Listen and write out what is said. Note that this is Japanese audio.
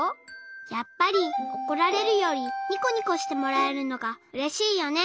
やっぱりおこられるよりニコニコしてもらえるのがうれしいよね。